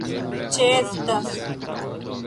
ĉeestas